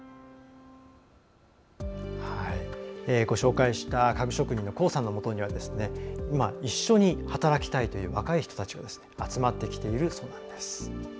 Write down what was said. ご紹介した家具職人の黄さんのもとには今、一緒に働きたいという若い人たちが集まってきているそうなんです。